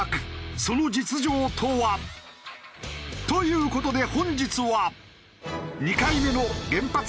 その実情とは？という事で本日は。